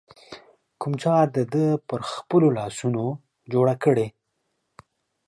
کوم چا د ده پر خپلو لاسونو جوړه کړې